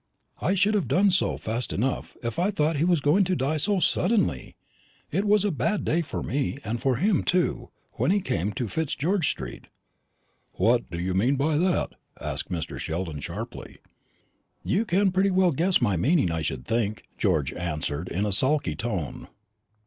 "I should have done so fast enough, if I had thought he was going to die so suddenly. It was a bad day for me, and for him too, when he came to Fitzgeorge street." "What do you mean by that?" asked Mr. Sheldon sharply. "You can pretty well guess my meaning, I should think," George answered in a sulky tone.